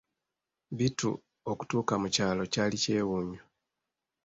Bittu okutuuka mu kyalo kyali kyewuunyo.